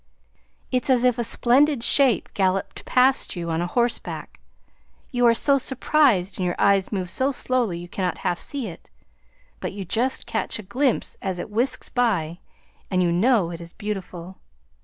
It's as if a splendid shape galloped past you on horseback; you are so surprised and your eyes move so slowly you cannot half see it, but you just catch a glimpse as it whisks by, and you know it is beautiful.